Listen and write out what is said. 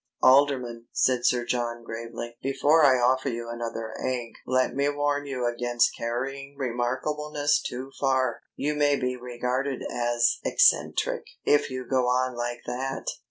"Alderman," said Sir John gravely, "before I offer you another egg, let me warn you against carrying remarkableness too far. You may be regarded as eccentric if you go on like that.